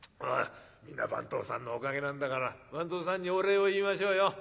みんな番頭さんのおかげなんだから番頭さんにお礼を言いましょうよ。